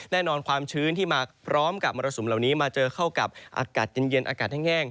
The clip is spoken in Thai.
แน่นอนความชื้นที่มาพร้อมกับมรสุมเหล่านี้มาเจอเข้ากับอากาศเย็นอากาศแห้ง